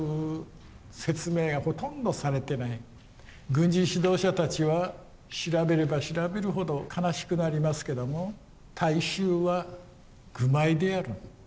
軍事指導者たちは調べれば調べるほど悲しくなりますけども大衆は愚昧である。